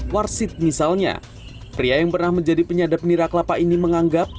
warsid misalnya pria yang pernah menjadi penyadap nira kelapa ini menganggap